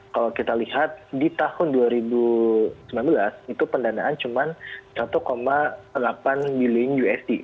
kalau kita lihat di tahun dua ribu sembilan belas itu pendanaan cuma satu delapan bilion usd